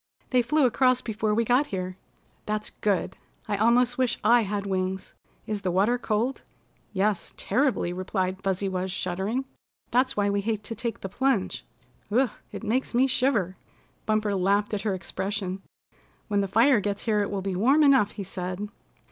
"They flew across before we got here." "That's good. I almost wish I had wings. Is the water cold?" "Yes, terribly," replied Fuzzy Wuzz, shuddering. "That's why we hate to take the plunge. Ugh! It makes me shiver!" Bumper laughed at her expression. "When the fire gets here it will be warm enough," he said.